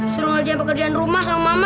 suruh ngerjain pekerjaan rumah sama mama